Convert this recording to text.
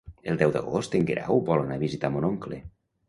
El deu d'agost en Guerau vol anar a visitar mon oncle.